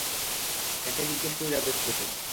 কাকে জিজ্ঞেস কইরা বেচতেছো?